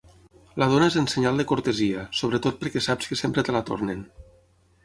La dónes en senyal de cortesia, sobretot perquè saps que sempre te la tornen.